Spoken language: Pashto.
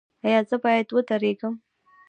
ایا زه باید ودریږم؟